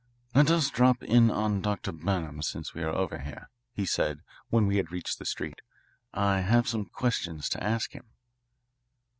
"Let us drop in on Dr. Burnham since we are over here," he said when we had reached the street. "I have some questions to ask him."